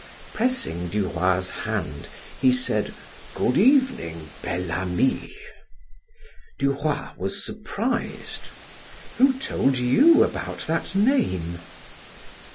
Pressing Du Roy's hand, he said: "Good evening, Bel Ami." Du Roy was surprised: "Who told you about that name?"